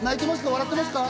笑ってますか？